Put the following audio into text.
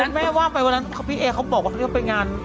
เอาแม่ว่าไปวันนั้นพี่เอเค้าบอกว่าที่เค้าไปงาน